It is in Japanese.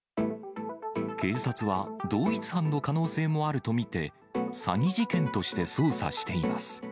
警察は同一犯の可能性もあると見て、詐欺事件として捜査しています。